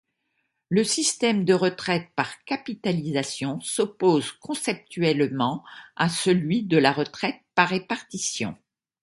Le système de retraite par capitalisation, s'oppose conceptuellement à celui de retraite par répartition.